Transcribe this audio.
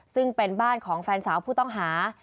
ซึ่งเป็นบ้านของแฟนสาวผู้ต้องหา